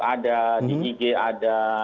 ada di ig ada